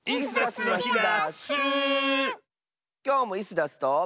きょうもイスダスと。